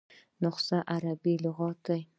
نسخه عربي لغت دﺉ.